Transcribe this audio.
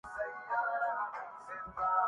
بزم شاہنشاہ میں اشعار کا دفتر کھلا